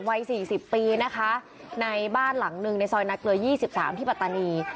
วัย๔๐ปีนะคะในบ้านหลังหนึ่งในซอยนักเกลือ๒๓ที่ปัตตานี